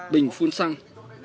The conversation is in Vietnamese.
bình phun xăng